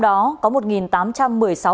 trong đó có một tám trăm một mươi ca